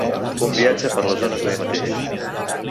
Un viatge per les ones de mi mateix.